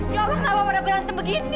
ya allah kenapa warna berantem begini